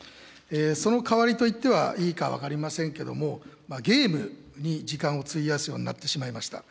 そのかわりといってはいいか分かりませんけども、ゲームに時間を費やすようになってしまいました。